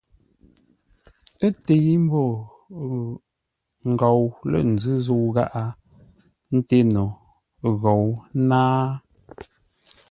Ə́ təi ḿbó ngou lə̂ nzʉ́ zə̂u gháʼa, ńté no ghou náa.